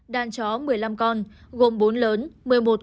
đàn chó một mươi năm con gồm bốn lớn một mươi một con